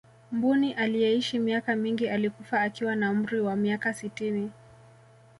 mbuni aliyeishi miaka mingi alikufa akiwa na umri wa miaka sitini